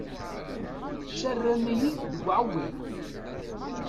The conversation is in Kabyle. Tettarram-iyi deg uɛewwiq.